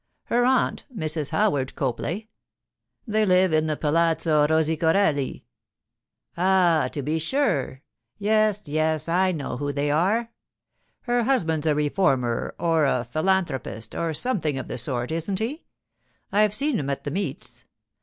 'Her aunt, Mrs. Howard Copley. They live in the Palazzo Rosicorelli.' 'Ah, to be sure! Yes, yes, I know who they are. Her husband's a reformer or a philanthropist, or something of the sort, isn't he? I've seen him at the meets.